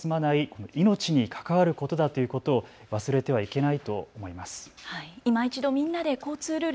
違反では済まない、命に関わることだということを忘れてはいけないと思います。